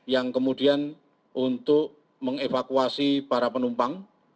yang kemudian untuk mengevakuasi para penumpang